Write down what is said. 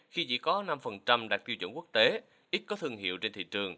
khi chỉ có năm đạt tiêu chuẩn quốc tế ít có thương hiệu trên thị trường